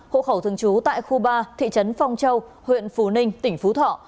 hộ khẩu thường trú tại khu ba thị trấn phong châu huyện phú ninh tỉnh phú thọ